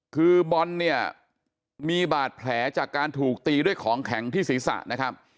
คือบอลเนี่ยมีบาดแผลจากการถูกตีด้วยของแข็งที่ศีรษะนะครับ